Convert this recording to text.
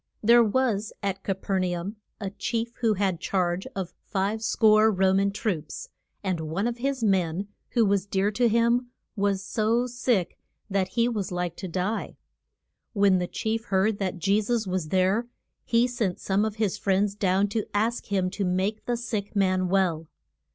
THERE was at Ca per na um a chief who had charge of five score Ro man troops. And one of his men, who was dear to him, was so sick that he was like to die. When the chief heard that Je sus was there he sent some of his friends down to ask him to make the sick man well.